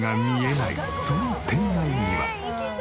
その店内には。